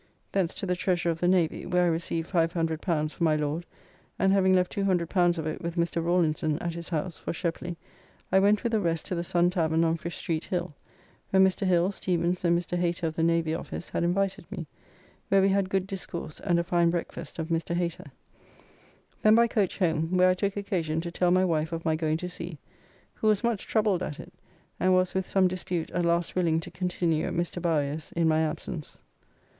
Thence to the Treasurer of the Navy, where I received L500 for my Lord, and having left L200 of it with Mr. Rawlinson at his house for Sheply, I went with the rest to the Sun tavern on Fish Street Hill, where Mr. Hill, Stevens and Mr. Hater of the Navy Office had invited me, where we had good discourse and a fine breakfast of Mr. Hater. Then by coach home, where I took occasion to tell my wife of my going to sea, who was much troubled at it, and was with some dispute at last willing to continue at Mr. Bowyer's in my absence.